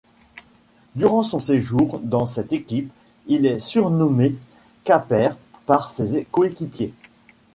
Durant son séjour dans cette équipe, il est surnommé Capper par ses coéquipiers.